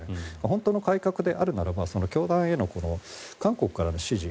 本当の改革であるならば教団への韓国からの指示